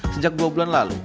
sejak dua bulan lalu